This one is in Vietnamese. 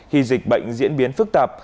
khi dịch bệnh diễn biến phức tạp